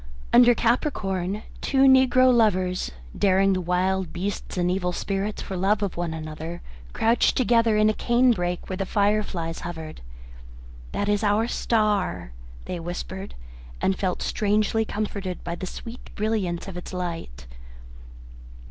Under Capricorn, two negro lovers, daring the wild beasts and evil spirits for love of one another, crouched together in a cane brake where the fire flies hovered. "That is our star," they whispered, and felt strangely comforted by the sweet brilliance of its light.